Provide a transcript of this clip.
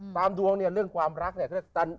ดวงเนี่ยเรื่องความรักเนี่ย